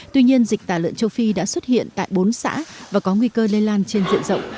tuy nhiên dịch tả lợn châu phi đã xuất hiện tại bốn xã và có nguy cơ lây lan trên diện rộng